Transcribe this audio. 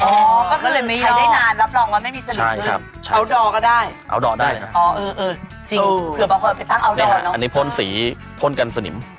ก็คือใช้ได้นานรับรองว่าไม่มีสนิมพื้นอัลดอร์ก็ได้อันนี้พ่นสีพ่นกันสนิม